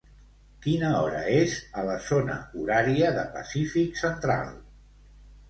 Quina hora és a la zona horària de Pacífic Central?